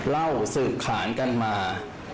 เล่าสืบขานกันมา